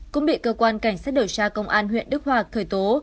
cũng bị cơ quan cảnh sát điều tra công an huyện đức hòa khởi tố